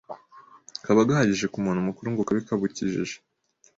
kaba gahagije ku muntu mukuru ngo kabe kabukijije